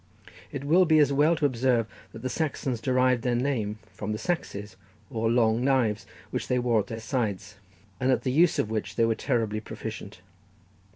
It will be as well to observe that the Saxons derived their name from the saxes, or long knives, which they wore at their sides, and at the use of which they were terribly proficient.